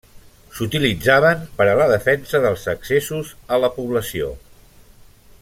S'utilitzaven per a la defensa dels accessos a la població.